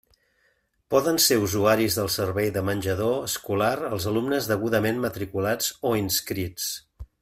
Poden ser usuaris del servei de menjador escolar els alumnes degudament matriculats o inscrits.